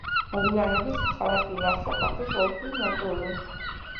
მოგვიანებით ქალაქი გახდა პაპის ოლქის ნაწილი.